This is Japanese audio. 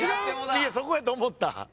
そこやと思った。